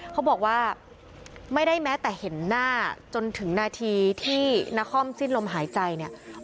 เขาบอกว่าไม่ได้แม้แต่เห็นหน้าจนถึงนาทีที่นครสิ้นลมหายใจเนี่ย